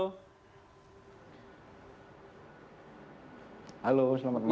halo selamat malam